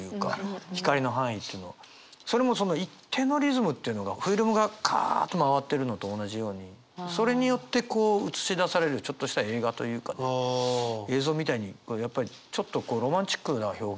それもその一定のリズムっていうのがフィルムがカアッと回ってるのと同じようにそれによってこう映し出されるちょっとした映画というかね映像みたいにやっぱりちょっとロマンチックな表現だよね。